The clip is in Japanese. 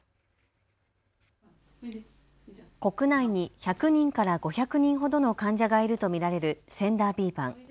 国内に１００人から５００人ほどの患者がいると見られるＳＥＮＤＡ／ＢＰＡＮ。